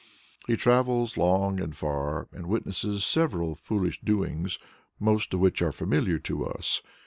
He travels long and far, and witnesses several foolish doings, most of which are familiar to us.